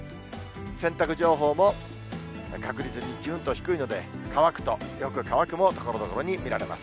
洗濯情報も低いので、乾くと、よく乾くもところどころに見られます。